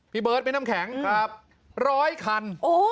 พี่เบิร์ดพี่น้ำแข็งร้อยคัน